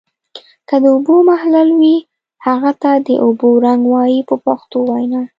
که د اوبو محلل وي هغه ته د اوبو رنګ وایي په پښتو وینا.